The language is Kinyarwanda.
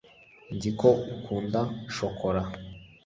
nzi ko ukunda shokora